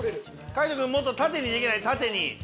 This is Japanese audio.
海人君もっと縦にできない？